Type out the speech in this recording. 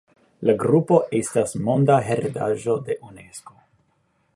La grupo estas Monda heredaĵo de Unesko.